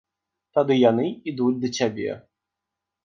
Тады яны ідуць да цябе!